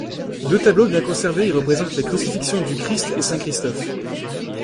Deux tableaux bien conservés y représentent la Crucifixion du Christ et Saint Christophe.